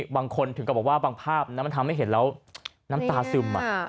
บางคนถึงกับบอกว่าบางภาพมันทำให้เห็นแล้วน้ำตาซึม